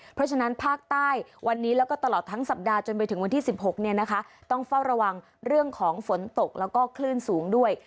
เพราะฉะนั้นภาคใต้วันนี้แล้วก็ตลอดทั้งสัปดาห์จนไปถึงวันที่๑๖ต้องเฝ้าระวังเรื่องของฝนตกแล้วก็คลื่นสูงด้วย